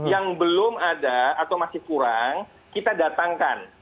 yang belum ada atau masih kurang kita datangkan